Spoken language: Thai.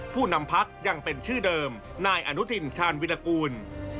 ผู้นำพักยังเป็นชื่อเดิมนายอนุทินชาญวิรากูล